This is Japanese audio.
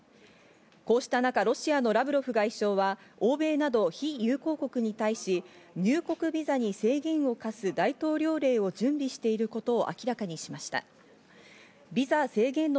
こうしたなかロシアのラブロフ外相は欧米など非友好国に対し、入国ビザに制限を課す大統領令を準備していることを明らかにしました。